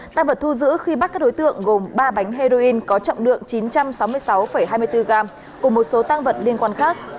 tăng vật thu giữ khi bắt các đối tượng gồm ba bánh heroin có trọng lượng chín trăm sáu mươi sáu hai mươi bốn gram cùng một số tăng vật liên quan khác